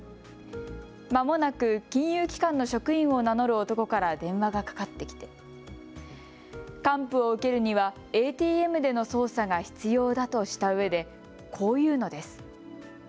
まもなく金融機関の職員を名乗る男から電話がかかってきて還付を受けるにはＡＴＭでの操作が必要だとしたうえでこう言うのです。